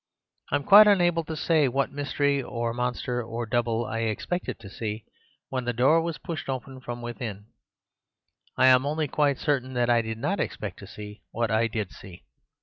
I am quite unable to say what mystery, or monster, or double, I expected to see when the door was pushed open from within. I am only quite certain that I did not expect to see what I did see.